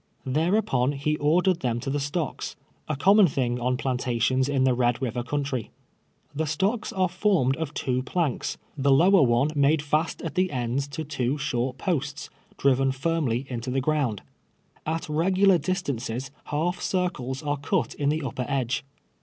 Thereupon he ordered them to the stocks — a com mon thing on plantations in the Ped River country. The stocks arc formed of two planks, the lower one DESCEIPTION OF THE STOCKS. 129 made fast at the ends to two sliort posts, driven firmly into tlie ground. At regular distances half circles are cut in the upper edge.